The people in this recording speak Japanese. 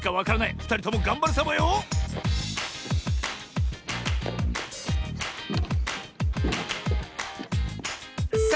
ふたりともがんばるサボよさ